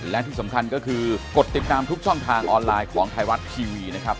และที่สำคัญก็คือกดติดตามทุกช่องทางออนไลน์ของไทยรัฐทีวีนะครับ